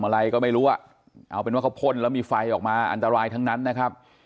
อะไรก็ไม่รู้อ่ะเอาเป็นว่าเขาพ่นแล้วมีไฟออกมาอันตรายทั้งนั้นนะครับ